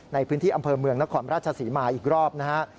ในพื้นที่อำเภอเมืองนครราชศรีมาอีกรอบนะฮะ